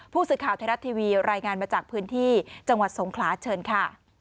ผู้สื่อข่าวไทยรัฐทีวีรายงานมาจากพื้นที่จังหวัดสงขลาเชิญค่ะ